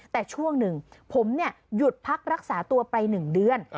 แต่ช่วงหนึ่งผมหยุดพักรักษาตัวไป๑เดือน